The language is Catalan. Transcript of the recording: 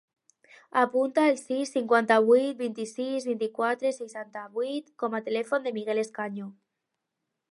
Apunta el sis, cinquanta-vuit, vint-i-sis, vint-i-quatre, seixanta-vuit com a telèfon del Miguel Escaño.